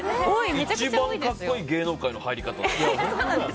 一番格好いい芸能界の入り方。